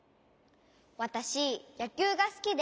わたしやきゅうがすきで。